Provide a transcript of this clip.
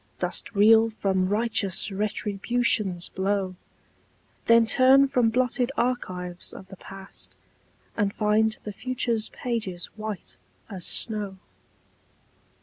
Dost reel from righteous Retribution's blow? Then turn from blotted archives of the past, And find the future's pages white as snow.